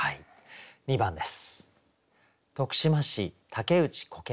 ２番です。